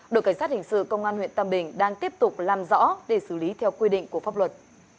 đội cảnh sát hình sự công an huyện tam bình đang tiếp tục làm rõ để xử lý theo quy định của pháp luật